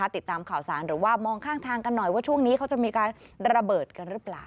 ติดตามข่าวสารหรือว่ามองข้างทางกันหน่อยว่าช่วงนี้เขาจะมีการระเบิดกันหรือเปล่า